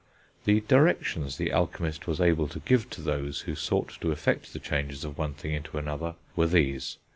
The directions the alchemist was able to give to those who sought to effect the change of one thing into another were these.